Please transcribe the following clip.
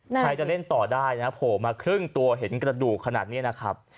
ใครจะเล่นต่อได้นะโผล่มาครึ่งตัวเห็นกระดูกขนาดนี้นะครับ